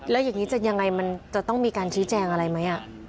แล้วอย่างนี้จะยังไงมันจะต้องมีการชี้แจงอะไรไหม